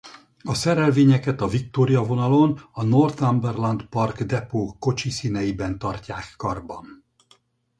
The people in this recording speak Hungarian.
A szerelvényeket a Victoria vonalon a Northumberland Park Depot kocsiszínben tartják karban.